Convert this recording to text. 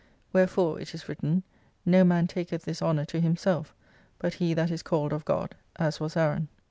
Wherefore, it is written, no man taketh this honour to himself hct He that is called of God, as was Aaron.